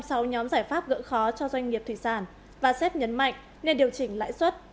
trong sáu nhóm giải pháp gỡ khó cho doanh nghiệp thủy sản vasep nhấn mạnh nên điều chỉnh lãi xuất